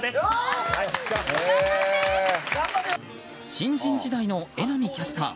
新人時代の榎並キャスター。